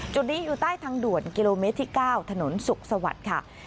จุดนี้อยู่ใต้ทางด่วนกิโลเมตรที่๙ถนนสุขสวัสดิ์ค่ะ